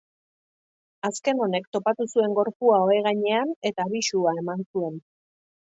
Azken honek topatu zuen gorpua ohe gainean eta abisua eman zuen.